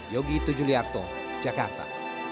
yogi tujuliarto jakarta